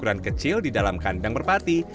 ukuran kecil di dalam kandang merpati